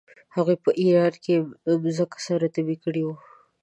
هغوی په ایران کې مځکه سره تبې کړې وه.